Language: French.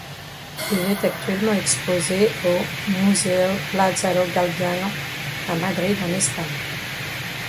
Il est actuellement exposé au Museo Lázaro Galdiano, à Madrid, en Espagne.